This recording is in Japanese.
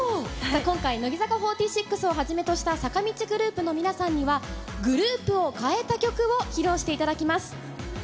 今回、乃木坂４６をはじめとした坂道グループの皆さんには、グループを変えた曲を披露していただきます。